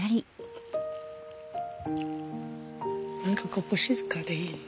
何かここ静かでいいね。